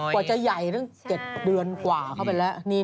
กว่าจะใหญ่ตั้ง๗เดือนกว่าเข้าไปแล้ว